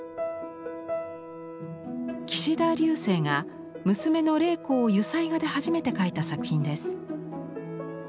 岸田劉生が娘の麗子を油彩画で初めて描いた作品です。